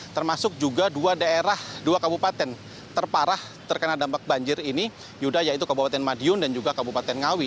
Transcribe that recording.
termasuk juga dua daerah dua kabupaten terparah terkena dampak banjir ini yuda yaitu kabupaten madiun dan juga kabupaten ngawi